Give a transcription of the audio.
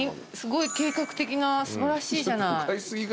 すごい計画的な素晴らしいじゃない。